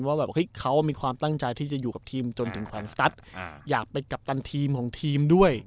ว่าแบบเฮ้ยเขามีความตั้งใจที่จะอยู่กับทีมจนถึงขวัญสตัสอยากเป็นกัปตันทีมของทีมด้วย